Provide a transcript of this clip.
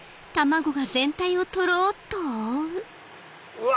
うわ！